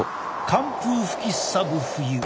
寒風吹きすさぶ冬。